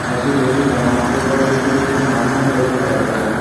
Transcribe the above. মূলত এটা ছিল শুভ্র ইয়াকূত পাথর, দেখতে উট পাখির ন্যায়।